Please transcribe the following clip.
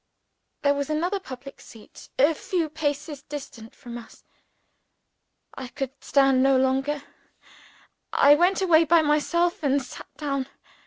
There was another public seat, a few paces distant from us. I could stand no longer. I went away by myself and sat down.